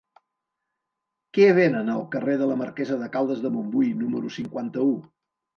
Què venen al carrer de la Marquesa de Caldes de Montbui número cinquanta-u?